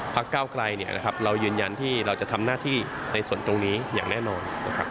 ก้าวไกลเรายืนยันที่เราจะทำหน้าที่ในส่วนตรงนี้อย่างแน่นอนนะครับ